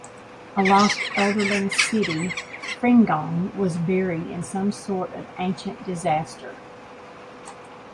A lost Elderling city, Frengong was buried in some sort of ancient disaster.